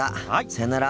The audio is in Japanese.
さよなら。